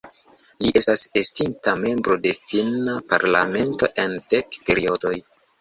Li estas estinta membro de finna parlamento en dek periodoj.